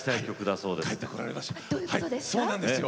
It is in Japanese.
そうなんですよ。